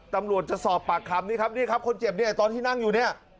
ตำรวจจะสอบปากคำนี่ครับนี่ครับคนเจ็บเนี่ยตอนที่นั่งอยู่เนี่ย